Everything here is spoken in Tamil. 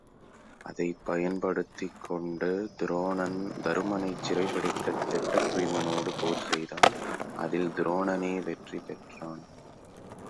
அதைப் பயன்படுத்திக் கொண்டு துரோணன் தருமனைச் சிறைப்பிடிக்கத் திட்டத்துய்மனோடு போர் செய்தான் அதில் துரோணனே வெற்றி பெற்றான்.